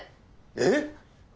えっ！？